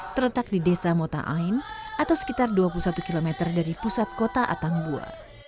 terletak di desa mota ain atau sekitar dua puluh satu km dari pusat kota atangbua